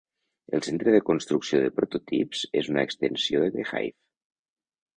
El centre de construcció de prototips és una extensió de The Hive.